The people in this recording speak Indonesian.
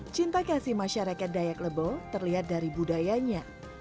cinta kasih masyarakat dayak lebo terlihat dari buku ini